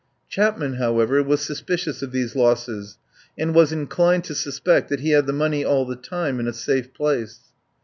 Chapman, however, was suspicious of these losses, and was inclined to suspect that he had the money all the time in a safe place.